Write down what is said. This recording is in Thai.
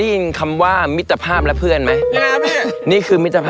ฝรั่งมันปลาหรือปลาว